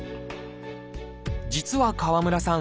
実は川村さん